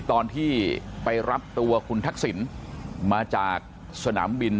ตอนที่ไปรับตัวคุณทักษิณมาจากสนามบิน